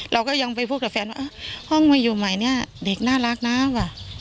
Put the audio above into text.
เราก็ยังไปพูดกับแฟนว่าห้องมาอยู่ใหม่เนี่ยเด็กน่ารักนะว่ะ